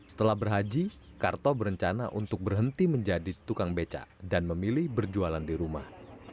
setelah berhaji karto berencana untuk berhenti menjadi tukang beca dan memilih berjualan di rumah